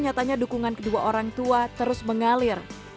nyatanya dukungan kedua orang tua terus mengalir